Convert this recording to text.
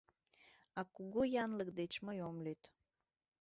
А кугу янлык деч мый ом лӱд.